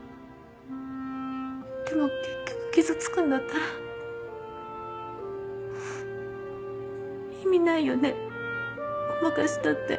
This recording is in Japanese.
でも結局傷つくんだったら意味ないよねごまかしたって。